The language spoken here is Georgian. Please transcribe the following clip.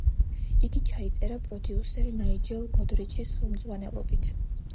იგი ჩაიწერა პროდიუსერ ნაიჯელ გოდრიჩის ხელმძღვანელობით.